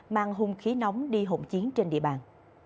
mang hung khí nóng đi hộn chiến trên địa bàn